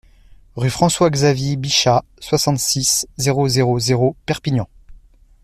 Rue François Xavier Bichat, soixante-six, zéro zéro zéro Perpignan